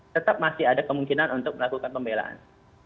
tetap masih ada kemungkinan untuk melakukan pembelaan